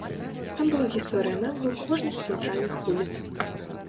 Там была гісторыя назваў кожнай з цэнтральных вуліц.